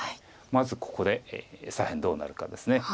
まずここで左辺どうなるかです。